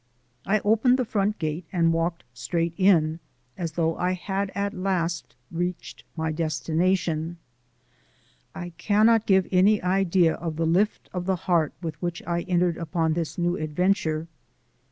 I opened the front gate and walked straight in, as though I had at last reached my destination. I cannot give any idea of the lift of the heart with which I entered upon this new adventure.